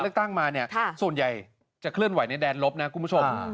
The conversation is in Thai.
เพราะตั้งแต่หลักเลือกติ้งมาส่วนใหญ่จะเคลื่อนไหวในดแสลบนะคุณผู้ชม